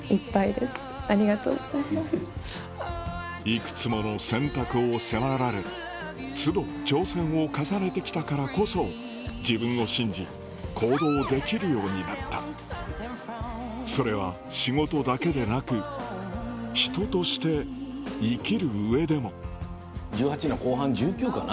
いくつもの選択を迫られ都度挑戦を重ねてきたからこそ自分を信じ行動できるようになったそれは仕事だけでなく人として生きる上でも１８の後半１９かな？